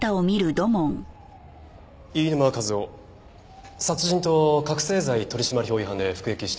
飯沼和郎殺人と覚せい剤取締法違反で服役してました。